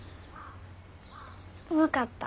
分かった。